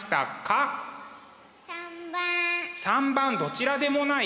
３番どちらでもない。